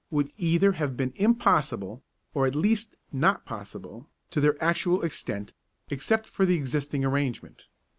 would either have been impossible, or at least not possible, to their actual extent except for the existing arrangement.